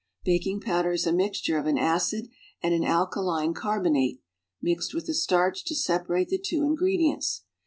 Baking powder is a mixture of an acid and an alkaline car bonate (mixed with a starch to separate the two ingredients).